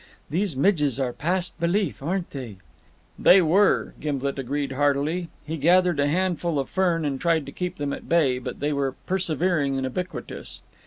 These midges are past belief, aren't they?" They were, Gimblet agreed heartily. He gathered a handful of fern and tried to keep them at bay, but they were persevering and ubiquitous.